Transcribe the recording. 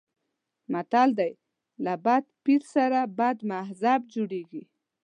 متل دی: له بد پیر سره بد مذهب جوړېږي.